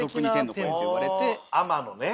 「天」のね。